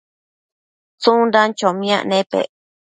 tsundan chomiac nepec